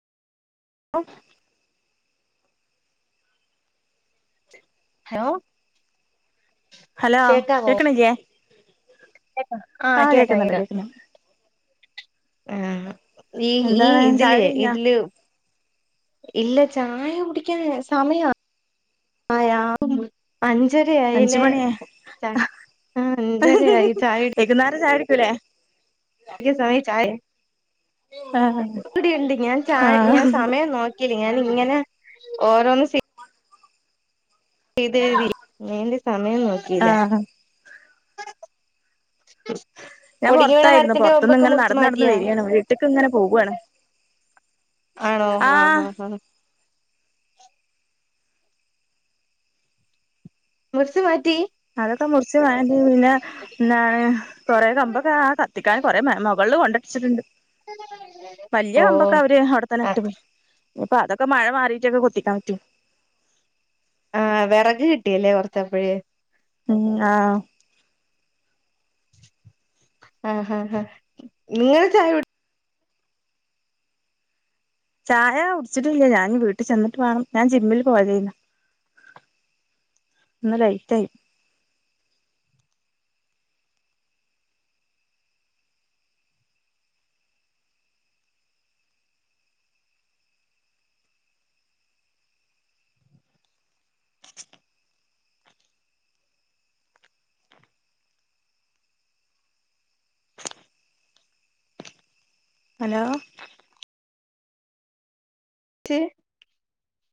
ആ hello hello കേക്കാവോ കേക്ണില്ലേ കേക്കാം ആഹ് കേക്കാം. കേക്കുന്നുണ്ട് ഏഹ് ഈ ഈ എന്താണ് ഇതില് ചായുടി കഴിഞ്ഞോ ഇതില്. ഇല്ല ചായ കുടിക്കാൻ സമയ ആയോ? അഞ്ച് അഞ്ചരയായില്ലേ മണിയായി അഞ്ചരയായി ചായ [unintelligible] കൃത്യം സമയത്ത് ചായേ. [unintelligible] ആഹ് ഇവിടെയുണ്ട് ഞാൻ ചായ ആഹ് ഞാൻ സമയം നോക്കി ഞാൻ ഇങ്ങനെ ഓരോന്ന് [unintelligible] നിന്റെ സമയം നോക്കിയില്ല. ആഹ് ഞാൻ ഒടിഞ്ഞു വീണ പൊറത്തായിരുന്നു മരത്തിന്റെ പൊറത്തുന്ന് കൊമ്പൊക്കെ ഇങ്ങനെ മുറിച്ച് നടന്ന് നടന്ന് മാറ്റിയാ വരികാണ് വീട്ടക്ക് ഇങ്ങനെ പോവാണ് ആഹ്. [unintelligible] മറച്ചു മാറ്റി. അതൊക്കെ മുർച്ച് [unintelligible] പിന്നെ എന്താണ് കൊറെ കമ്പൊക്കെ ആ കത്തിക്കാൻ കൊറെ മുകളിൽ കൊണ്ട്. [unintelligible] വല്ല്യ കമ്പൊക്കെ ഓഹ് അവര് അവടെത്തന്നെ ഇട്ട് പോയി ഇഞ്പ്പൊ അതൊക്കെ മഴ മാറിട്ടൊക്കെ കൊത്തിക്കാൻ പറ്റു ആ വെറക് കിട്ടിയല്ലേ കൊറച്ചപ്പഴ് മ്മ് ആ ആ ആആ നിങ്ങൾ ചായ കുട് ചായ കുടിച്ചിട്ടില്ല ഞാൻ ഞ് വീട്ട് ചെന്നിട്ട് വാണം ഞാൻ ജിമ്മിൽ പോയതേനു ഇന്ന് ലൈറ്റ് ആയി ഹലോ [inaudible]